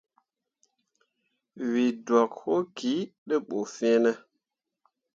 Wǝ ɗwak wo ki te ɓu fine ?